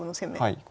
はい。